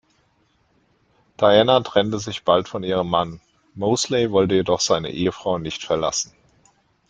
Diana trennte sich bald von ihrem Mann, Mosley wollte jedoch seine Ehefrau nicht verlassen.